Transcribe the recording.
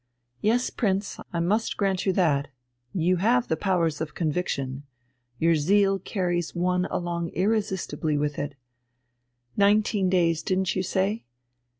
"Yes, Prince, I must grant you that! You have the powers of conviction, your zeal carries one along irresistibly with it! Nineteen days, didn't you say?